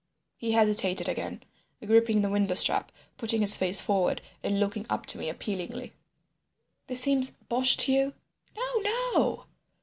He hesitated again, gripping the window strap, putting his face forward and looking up to me appealingly. "This seems bosh to you?" "No, no!"